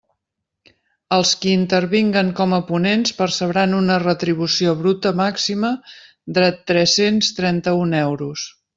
Els qui intervinguen com a ponents percebran una retribució bruta màxima de tres-cents trenta-un euros.